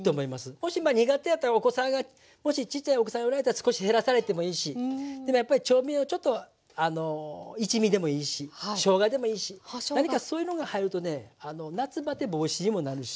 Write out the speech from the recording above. もしまあ苦手やったらお子さんがもしちっちゃいお子さんがおられたら少し減らされてもいいしでもやっぱり調味料ちょっと一味でもいいししょうがでもいいし何かそういうのが入るとね夏バテ防止にもなるし。